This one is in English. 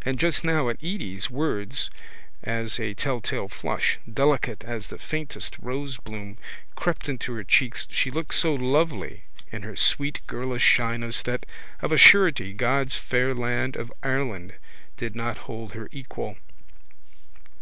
And just now at Edy's words as a telltale flush, delicate as the faintest rosebloom, crept into her cheeks she looked so lovely in her sweet girlish shyness that of a surety God's fair land of Ireland did not hold her equal.